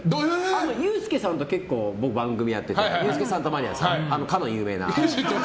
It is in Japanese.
ユースケさんと番組をやっててユースケ・サンタマリアさんかの有名な。